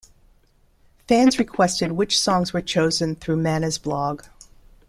Fans requested which songs were chosen through Mana's blog.